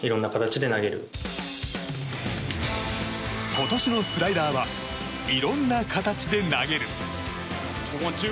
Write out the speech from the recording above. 今年のスライダーはいろんな形で投げる。